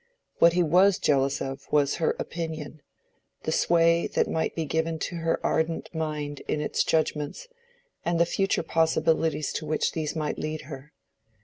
What he was jealous of was her opinion, the sway that might be given to her ardent mind in its judgments, and the future possibilities to which these might lead her.